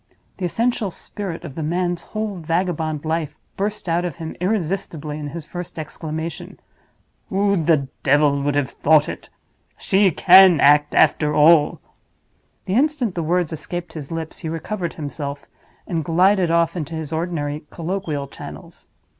The essential spirit of the man's whole vagabond life burst out of him irresistibly in his first exclamation. "Who the devil would have thought it? She can act, after all!" The instant the words escaped his lips he recovered himself, and glided off into his ordinary colloquial channels.